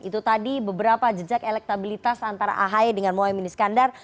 itu tadi beberapa jejak elektabilitas antara ahy dengan mohaimin iskandar